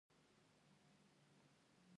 د يوچا خاموښي دهغه کمزوري مه ګنه